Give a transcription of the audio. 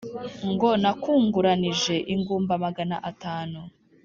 Ngo nakunguranije ingumba magana atanu